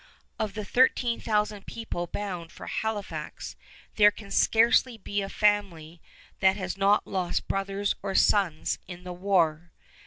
Of the thirteen thousand people bound for Halifax there can scarcely be a family that has not lost brothers or sons in the war.